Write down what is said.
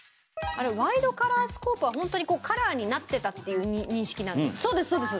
ワイドカラースコープはホントにカラーになってたっていう認識なんですか？